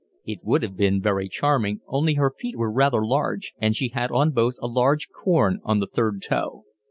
It would have been very charming only her feet were rather large and she had on both a large corn on the third toe.